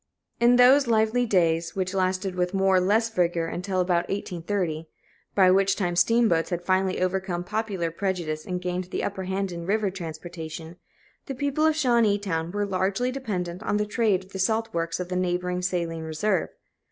In those lively days, which lasted with more or less vigor until about 1830, by which time, steamboats had finally overcome popular prejudice and gained the upper hand in river transportation, the people of Shawneetown were largely dependent on the trade of the salt works of the neighboring Saline Reserve.